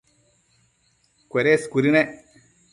cuedes cuëdënec